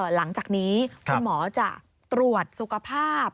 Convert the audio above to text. หลังจากนี้คุณหมอจะตรวจสุขภาพ